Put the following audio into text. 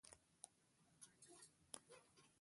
بس کله روانیږي؟